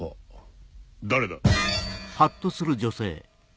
誰だ⁉